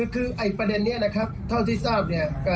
คือประเด็นนี้นะครับเท่าที่ทราบเนี่ย